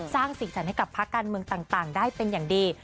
สร้างสีสันให้กับภาคการเมืองต่างได้เป็นอย่างดี